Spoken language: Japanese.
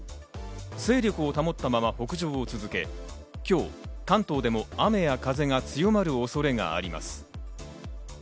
勢力を保ったまま北上を続け、今日、関東でも雨や風が強まる恐れがあります。